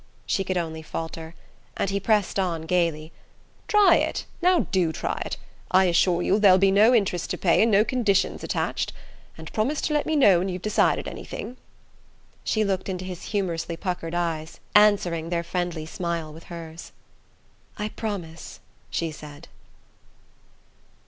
she could only falter; and he pressed on gaily: "Try it, now do try it I assure you there'll be no interest to pay, and no conditions attached. And promise to let me know when you've decided anything." She looked into his humorously puckered eyes, answering. Their friendly smile with hers. "I promise!" she said.